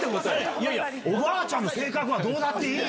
いやいや、おばあちゃんの性格はどうだっていい。